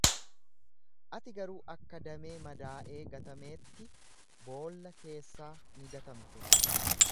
Ati garuu akka damee madaa’ee gatameetti boolla keessaa ni gatamte.